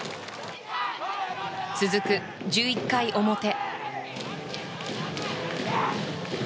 続く、１１回表。